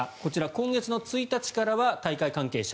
今月１日からは大会関係者